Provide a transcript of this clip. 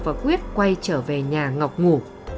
và quyết quay trở về nhà ngọc ngủ